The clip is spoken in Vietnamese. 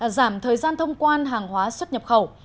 giảm thời gian thông quan hàng hóa xuất nhập khẩu